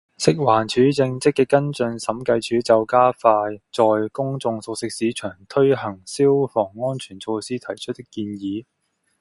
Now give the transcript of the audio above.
食環署正積極跟進審計署就加快在公眾熟食市場推行消防安全措施提出的建議